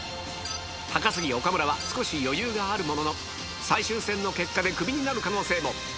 高杉岡村は少し余裕があるものの最終戦の結果でクビになる可能性も！